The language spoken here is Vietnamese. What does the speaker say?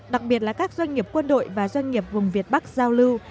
đặc biệt là các doanh nghiệp quân đội và doanh nghiệp vùng việt bắc giao lưu